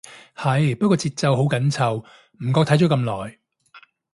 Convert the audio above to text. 係，不過節奏好緊湊，唔覺睇咗咁耐